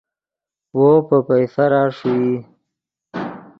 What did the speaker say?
وو پے پئیفرا ݰوئی